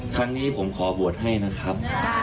ครั้งนี้ผมขอบวชให้นะครับ